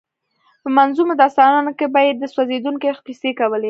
په منظومو داستانونو کې به یې د سوځېدونکي عشق کیسې کولې.